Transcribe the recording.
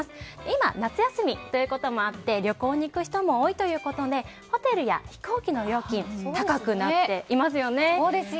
今、夏休みということもあって旅行に行く人も多いとあってホテルや飛行機の料金が高くなっていますよね。